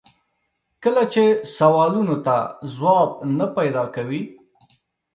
کله چې سوالونو ته ځواب نه پیدا کوي.